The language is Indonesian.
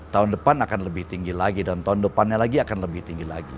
tahun depan akan lebih tinggi lagi dan tahun depannya lagi akan lebih tinggi lagi